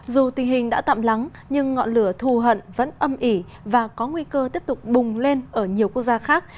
dù tình hình đã tạm lắng nhưng ngọn lửa thù hận vẫn âm ỉ và có nguy cơ tiếp tục bùng lên ở nhiều quốc gia khác